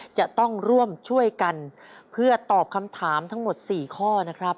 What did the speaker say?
จะต้องร่วมช่วยกันเพื่อตอบคำถามทั้งหมด๔ข้อนะครับ